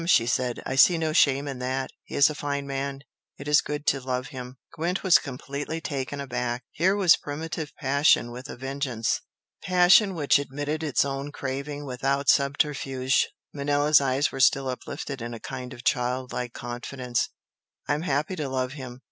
she said "I see no shame in that! He is a fine man it is good to love him!" Gwent was completely taken aback. Here was primitive passion with a vengeance! passion which admitted its own craving without subterfuge. Manella's eyes were still uplifted in a kind of childlike confidence. "I am happy to love him!"